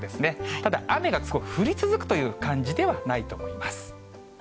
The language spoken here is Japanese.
ただ雨が降り続くという感じではないと思います。